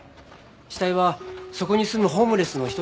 死体はそこに住むホームレスの一人でした。